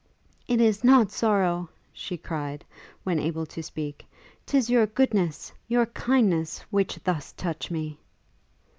'It is not sorrow,' she cried, when able to speak; ''tis your goodness, your kindness, which thus touch me!'